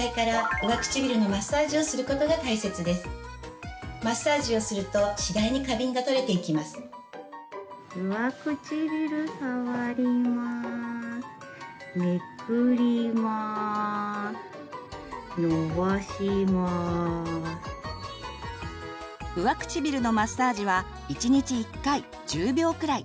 上唇のマッサージは１日１回１０秒くらい。